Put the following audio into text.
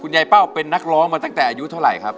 ยายเป้าเป็นนักร้องมาตั้งแต่อายุเท่าไหร่ครับ